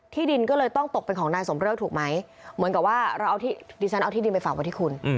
ดินก็เลยต้องตกเป็นของนายสมเริกถูกไหมเหมือนกับว่าเราเอาที่ดิฉันเอาที่ดินไปฝากไว้ที่คุณ